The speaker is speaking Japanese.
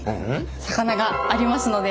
魚がありますので。